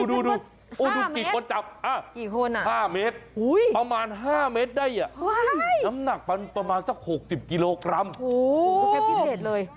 ดูกี่คนจับอะ๕เมตรประมาณ๕เมตรได้อะน้ำหนักประมาณสัก๖๐กิโลกรัมโอ้โฮ